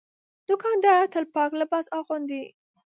دوکاندار تل پاک لباس اغوندي.